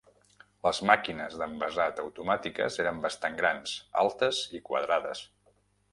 Les màquines d"envasat automàtiques eren bastant grans, altes i quadrades.